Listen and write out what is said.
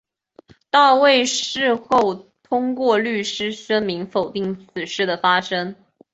大卫事后透过律师声明否定此事的发生。